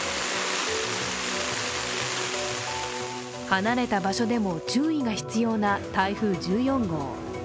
離れた場所でも注意が必要な台風１４号。